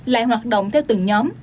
lại hoạt động theo từng nhóm